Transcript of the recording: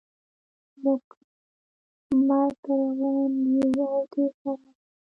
موږ مرګ ته روان یو او دی شراب څښي